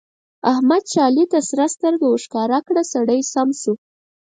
احمد چې علي ته سره سترګه ورښکاره کړه؛ سړی سم شو.